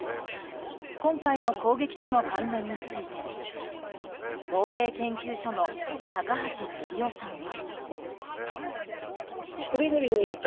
今回の攻撃との関連について防衛研究所の高橋杉雄さんは。